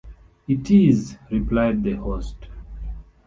‘It is,’ replied the host.